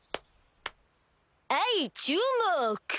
はいちゅうもく！